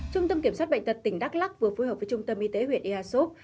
trung tâm kiểm soát bệnh tật tỉnh đắk lắc vừa phối hợp với trung tâm y tế huyện easoc